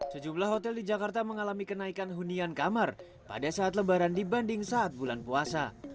sejumlah hotel di jakarta mengalami kenaikan hunian kamar pada saat lebaran dibanding saat bulan puasa